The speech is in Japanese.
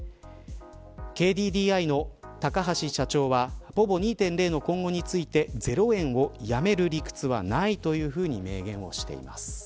ＫＤＤＩの高橋社長はｐｏｖｏ２．０の今後について０円をやめる理屈はないというふうに明言しています。